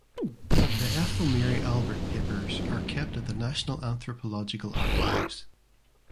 The Ethel Mary Albert Papers are kept at the National Anthropological Archives.